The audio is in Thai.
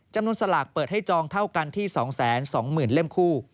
สลากเปิดให้จองเท่ากันที่๒๒๐๐๐เล่มคู่